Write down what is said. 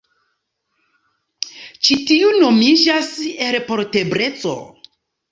Ĉi tio nomiĝas elportebleco.